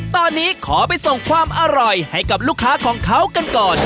ตอนนี้ขอไปส่งความอร่อยให้กับลูกค้าของเขากันก่อน